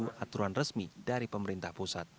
menunggu aturan resmi dari pemerintah pusat